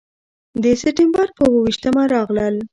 د سپټمبر پر اوه ویشتمه راغلل.